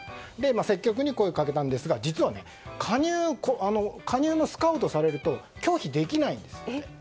積極的に声をかけているんですが実は、加入のスカウトされると拒否できないんです。